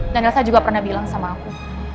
dan elsa juga pernah bilang sama aku